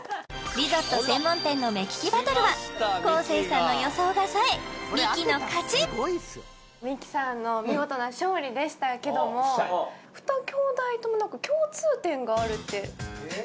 リゾット専門店の目利きバトルは昴生さんの予想が冴えミキの勝ちミキさんの見事な勝利でしたけども二兄弟とも共通点があるってえっ？